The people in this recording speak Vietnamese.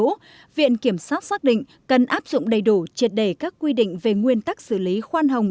riêng đối với đối tượng phạm nhật vũ viện kiểm sát xác định cần áp dụng đầy đủ triệt đề các quy định về nguyên tắc xử lý khoan hồng